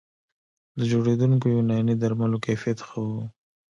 د جوړېدونکو یوناني درملو کیفیت ښه و